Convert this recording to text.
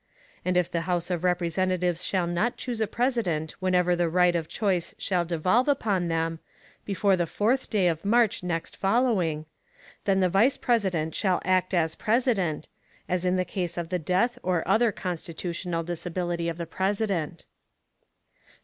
And if the House of Representatives shall not choose a President whenever the right of choice shall devolve upon them, before the fourth day of March next following, then the Vice President shall act as President, as in the case of the death or other constitutional disability of the President.